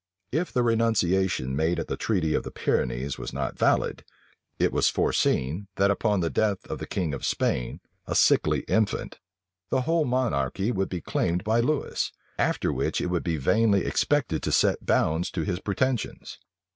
If the renunciation made at the treaty of the Pyrenees was not valid, it was foreseen, that upon the death of the king of Spain, a sickly infant, the whole monarchy would be claimed by Lewis; after which it would be vainly expected to set bounds to his pretensions.